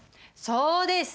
そうです。